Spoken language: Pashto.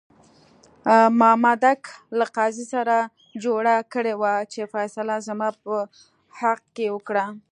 مامدک له قاضي سره جوړه کړې وه چې فیصله زما په حق کې وکړه.